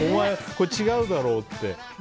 これ違うだろって。